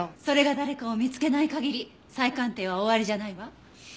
それが誰かを見つけない限り再鑑定は終わりじゃないわ。